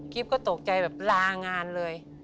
ก็ตกใจแบบลางานเลย